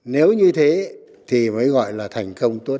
nếu như thế thì mới gọi là thành công tốt đẹp